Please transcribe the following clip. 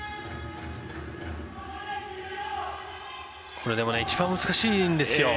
これ一番難しいんですよ。